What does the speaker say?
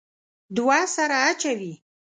دوه سره اچوي.